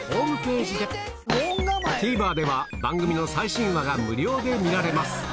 ＴＶｅｒでは番組の最新話が無料で見られます